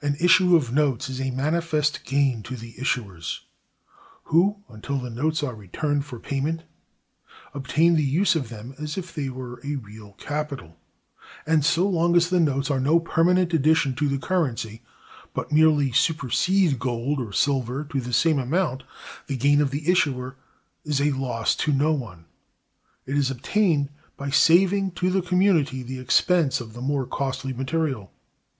An issue of notes is a manifest gain to the issuers, who, until the notes are returned for payment, obtain the use of them as if they were a real capital; and, so long as the notes are no permanent addition to the currency, but merely supersede gold or silver to the same amount, the gain of the issuer is a loss to no one; it is obtained by saving to the community the expense of the more costly material.